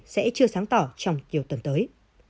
sẽ chưa sáng tỏ trong chiều tuần tới